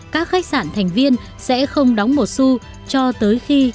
các khách sạn thành viên sẽ không đóng một su cho tới khi